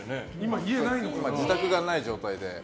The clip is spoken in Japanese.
自宅がない状態で。